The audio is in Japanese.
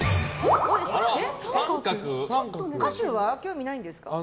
歌手は興味ないんですか？